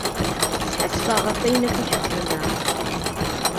Sḥassfeɣ ɣef ayen akk i k-xedmeɣ.